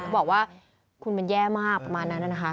บอกว่าคุณมันแย่มากประมาณนั้นนะคะ